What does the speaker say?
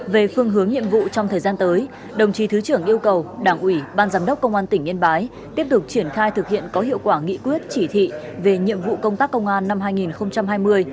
về phương hướng nhiệm vụ trong thời gian tới đồng chí thứ trưởng yêu cầu đảng ủy ban giám đốc công an tỉnh yên bái tiếp tục triển khai thực hiện có hiệu quả nghị quyết chỉ thị về nhiệm vụ công tác công an năm hai nghìn hai mươi